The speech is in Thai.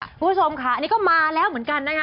คุณผู้ชมค่ะอันนี้ก็มาแล้วเหมือนกันนะคะ